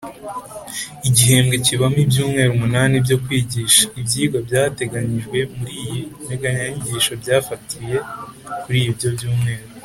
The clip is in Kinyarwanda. igihembwe kibamo ibyumweru umunani byo kwigisha. Ibyigwa byateganyijwe muri iyi nteganyanyigisho byafatiye kuri ibyo byumweru